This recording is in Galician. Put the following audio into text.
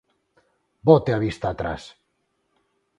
Bote a vista atrás.